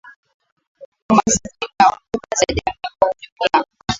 umasikini na huduma za jamii kwa ujumla